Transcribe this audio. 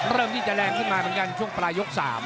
เริ่มที่จะแรงขึ้นมาบ้างกันช่วงปลายกลุ่ม๓